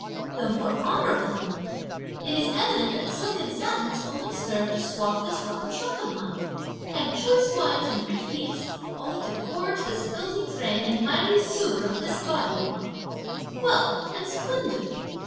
Though more honourable than he, it is indeed evident that silk and satins only serve to swathe this rotten trunk of mine, and choice wines and rich meats only to gorge the filthy drain and miry sewer of this body of mine! Wealth! and splendour!